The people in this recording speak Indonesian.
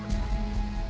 suara siapa itu